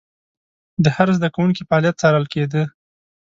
د هر زده کوونکي فعالیت څارل کېده.